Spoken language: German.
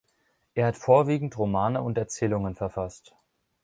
Er hat vorwiegend Romane und Erzählungen verfasst.